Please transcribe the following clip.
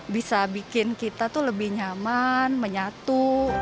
bisa bikin kita tuh lebih nyaman menyatu